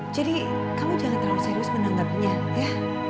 jadi kamu jangan terlalu serius menanggapnya ya